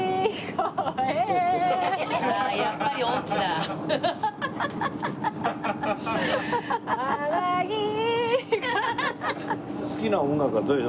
やっぱりね。